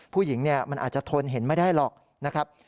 ผู้หญิงเนี่ยมันอาจจะทนเห็นไม่ได้หรอกนะครับ